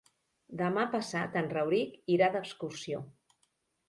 Demà passat en Rauric irà d'excursió.